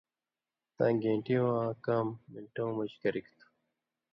تاں گېن٘ٹی واں کام مِلٹؤں مژ گرِگ تھو